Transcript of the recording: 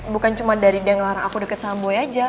bukan cuma dari dia ngelarang aku deket sama boy aja